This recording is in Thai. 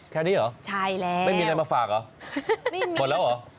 แค่นี้เหรอไม่มีอะไรมาฝากเหรอหมดแล้วเหรอใช่แล้ว